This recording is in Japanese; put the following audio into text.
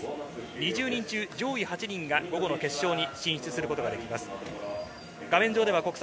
２０人中上位８人が午後の決勝に進出することができます。